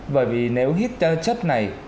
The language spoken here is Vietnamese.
bởi vì nếu hít chất này